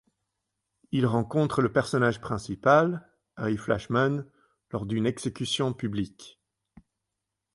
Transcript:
Il rencontre le personnage principal, Harry Flashman lors d'une exécution publique.